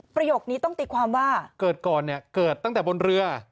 ประโยคนี้ต้องตีความว่าเกิดก่อนเนี่ยเกิดตั้งแต่บนเรือ